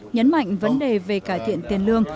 nhấn mạnh vấn đề về cải thiện tiền lưu